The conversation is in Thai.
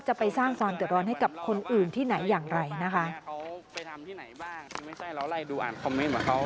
จะไปสร้างความเดือดร้อนให้กับคนอื่นที่ไหนอย่างไรนะคะ